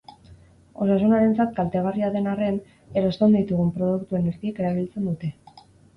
Osasunarentzat kaltegarria den arren, erosten ditugun produktuen erdiek erabiltzen dute.